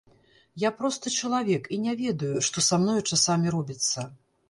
Я просты чалавек і не ведаю, што са мною часамі робіцца.